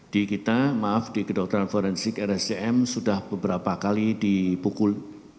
di kita maaf di kedokteran forensik rscm sudah beberapa kali dipukul